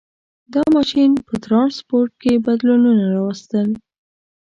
• دا ماشین په ټرانسپورټ کې بدلونونه راوستل.